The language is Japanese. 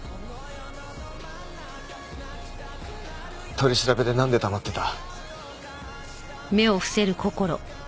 取り調べでなんで黙ってた？